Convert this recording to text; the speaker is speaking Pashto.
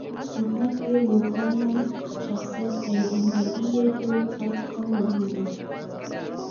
احمد ډېر روښاني شخصیت دی. دینداري ټولو خلکو ته معلومه ده.